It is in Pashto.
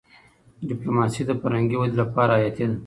ډيپلوماسي د فرهنګي ودي لپاره حياتي ده.